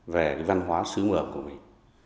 về cái văn hóa sứ mường của mình